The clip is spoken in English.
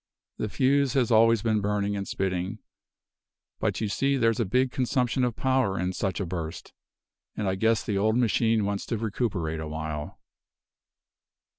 The fuse has always been burning and spitting; but you see there's a big consumption of power in such a burst, and I guess the old machine wants to recuperate awhile."